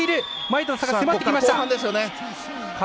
前との差が迫ってきました。